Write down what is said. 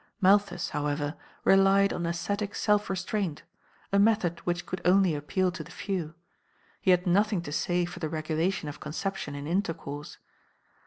Malthus, however, relied on ascetic self restraint, a method which could only appeal to the few; he had nothing to say for the regulation of conception in intercourse.